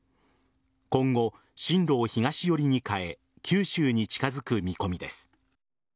今後、進路を東寄りに変え九州に近づく見込みです。